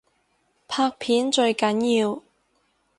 拍片最緊要